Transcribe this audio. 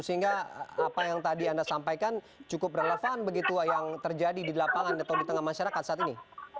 sehingga apa yang tadi anda sampaikan cukup relevan begitu yang terjadi di lapangan atau di tengah masyarakat saat ini